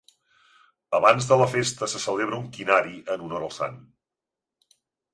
Abans de la festa se celebra un quinari en honor al sant.